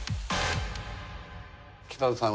北出さん